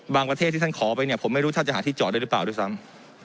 ประเทศที่ท่านขอไปเนี่ยผมไม่รู้ท่านจะหาที่จอดได้หรือเปล่าด้วยซ้ำ